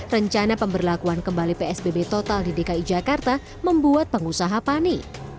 rencana pemberlakuan kembali psbb total di dki jakarta membuat pengusaha panik